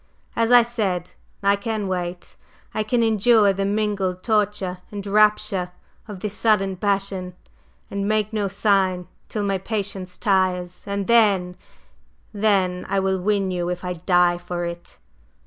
As I said, I can wait. I can endure the mingled torture and rapture of this sudden passion and make no sign, till my patience tires, and then then I will win you if I die for it!"